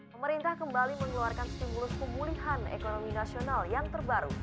pemerintah kembali mengeluarkan stimulus pemulihan ekonomi nasional yang terbaru